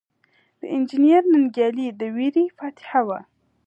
د انجنیر ننګیالي د ورېرې فاتحه وه.